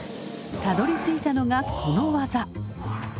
たどりついたのがこの技。